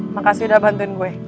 makasih udah bantuin gue